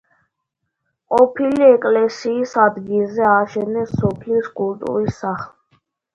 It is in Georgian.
ყოფილი ეკლესიის ადგილზე ააშენეს სოფლის კულტურის სახლი.